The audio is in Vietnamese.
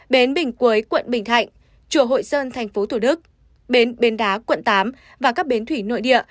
bến bình quế quận bình thạnh chùa hội sơn tp thủ đức bến bến đá quận tám và các bến thủy nội địa